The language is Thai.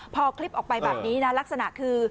พอคลิปออกไปแบบนี้นะลักษณะคือ